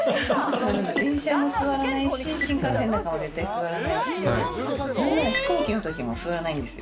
電車も座らないし、新幹線なんかも絶対座らないし、なんなら飛行機のときも座らないんです。